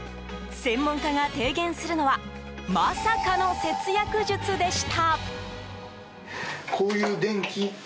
専門家が提言するのはまさかの節約術でした。